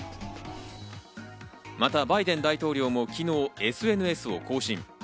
またバイデン大統領も昨日ＳＮＳを更新。